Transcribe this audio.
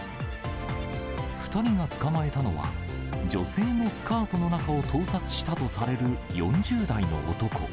２人が捕まえたのは、女性のスカートの中を盗撮したとされる４０代の男。